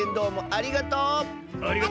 ありがとう！